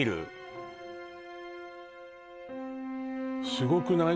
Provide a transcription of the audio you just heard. すごくない？